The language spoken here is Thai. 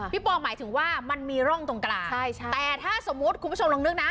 ปอหมายถึงว่ามันมีร่องตรงกลางใช่ใช่แต่ถ้าสมมุติคุณผู้ชมลองนึกนะ